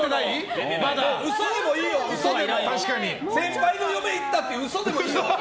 先輩の嫁いったっていう嘘でもいいよ。